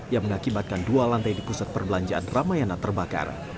yang mengakibatkan dua lantai di pusat perbelanjaan ramayana terbakar